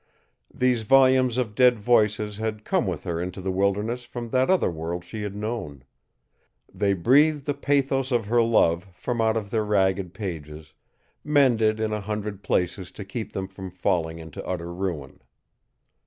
These volumes of dead voices had come with her into the wilderness from that other world she had known. They breathed the pathos of her love from out of their ragged pages, mended in a hundred places to keep them from falling into utter ruin.